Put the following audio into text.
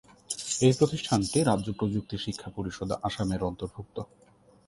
এই প্রতিষ্ঠানটি রাজ্য প্রযুক্তি শিক্ষা পরিষদ, আসামের অন্তর্ভুক্ত।